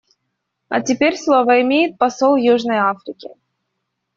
А теперь слово имеет посол Южной Африки.